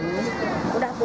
udah tua laki laki